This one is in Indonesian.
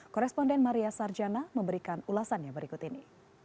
koresponden maria sarjana memberikan ulasan yang berikut ini